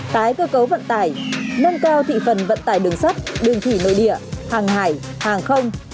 tái cơ cấu vận tải nâng cao thị phần vận tải đường sắt đường thủy nội địa hàng hải hàng không